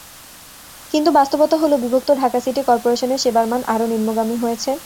কিন্তু বাস্তবতা হলো, বিভক্ত ঢাকা সিটি করপোরেশনের সেবার মান আরও নিম্নগামী হয়েছে।